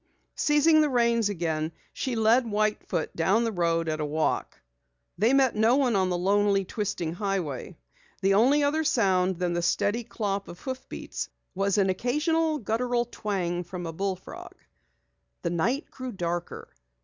Seizing the reins again, she led White Foot down the road at a walk. They met no one on the lonely, twisting highway. The only sound other than the steady clop of hoofbeats was an occasional guttural twang from a bullfrog. The night grew darker.